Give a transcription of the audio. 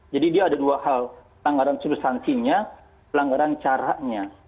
jadi dia ada dua hal pelanggaran susansinya pelanggaran caranya